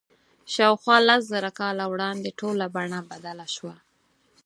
شاوخوا لس زره کاله وړاندې ټوله بڼه بدله شوه.